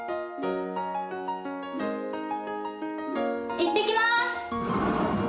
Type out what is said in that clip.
行ってきます！